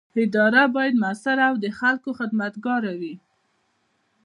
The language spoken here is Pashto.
اداره باید مؤثره او د خلکو خدمتګاره وي.